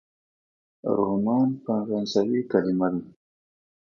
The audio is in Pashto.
رومان فرانسوي کلمه ده.